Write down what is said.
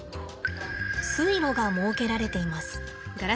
水路が設けられています。